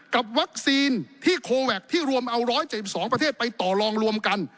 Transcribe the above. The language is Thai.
กับวัคซีนที่โคแวคที่รวมเอา๑๗๒ประเทศไปต่อลองรวมกัน